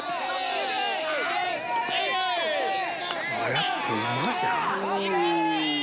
やっぱうまいな。